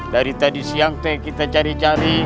dari tadi siang teh kita cari cari